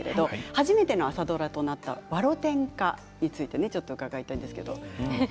初めての朝ドラとなった「わろてんか」について伺います。